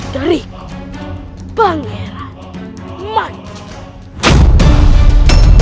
dari pangeran manjat